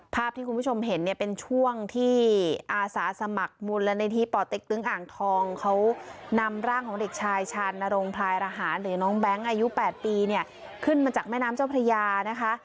ภาพที่คุณผู้ชมเห็นเนี่ยเป็นช่วงที่อาสาสมัครมูลนิธิป่อเต็กตึงอ่างทองเขานำร่างของเด็กชายชานรงพลายระหารหรือน้องแบงค์อายุ๘ปีเนี่ยขึ้นมาจากแม่น้ำเจ้าพระยานะคะ